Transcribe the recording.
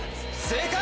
正解！